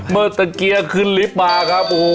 เมื่อกี้ขึ้นลิฟต์มาครับ